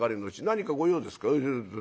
何か御用ですか」。